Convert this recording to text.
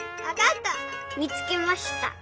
みつけました。